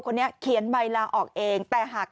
คนนี้เขียนใบลาออกเองแต่หาก